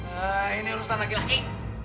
eh ini urusan laki laki